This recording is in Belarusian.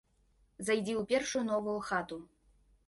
Зайдзі ў першую новую хату.